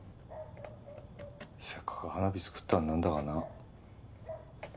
せっかく花火作ったのになんだかな。